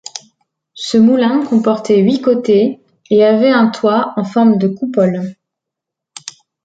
Ce moulin comportait huit côtés et avait un toit en forme de coupole.